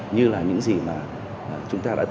như là những gì mà chúng ta đã từng chứng kiến ngay bữa nay